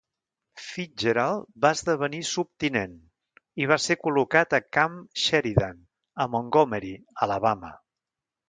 Fitzgerald va esdevenir subtinent i va ser col·locat a Camp Sheridan, a Montgomery, Alabama.